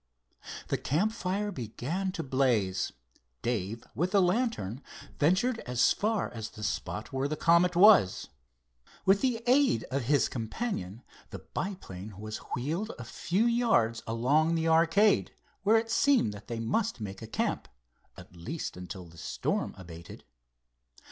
The campfire began to blaze, Dave, with the lantern, ventured as far as the spot where the Comet was. With the aid of his companion the biplane was wheeled a few yards along the arcade, where it seemed they must make a camp, at least until the storm abated.